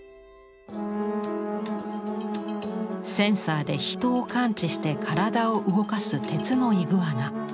センサーで人を感知して体を動かす鉄のイグアナ。